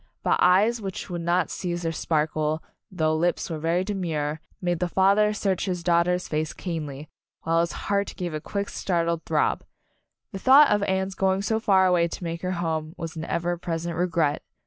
But eyes An Announcement Party 13 which would not cease their sparkle, though lips were very demure, made the father search his daughter's face keenly, while his heart gave a quick, startled throb. The thought of Anne's going so far away to make her home was an ever present regret.